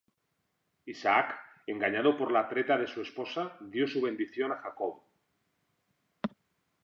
Isaac, engañado por la treta de su esposa, dio su bendición a Jacob.